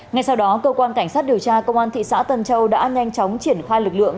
ngay sau đó cơ quan cảnh sát điều tra công an thị xã tân châu đã nhanh chóng triển khai lực lượng